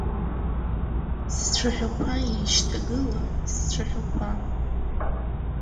Сцәаҳәақәа Еишьҭагыла сцәаҳәақәа…